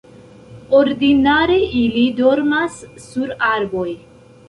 Ordinare ili dormas sur arboj.